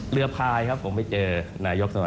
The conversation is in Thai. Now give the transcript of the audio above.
เรือพลัยผมไปเจอนายกสมมุติ